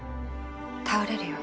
倒れるよ。